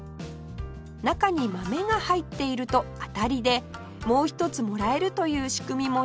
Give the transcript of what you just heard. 中に豆が入っていると当たりでもう一つもらえるという仕組みも人気